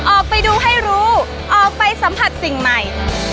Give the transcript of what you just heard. ออกไปดูให้รู้ออกไปสัมผัสสิ่งใหม่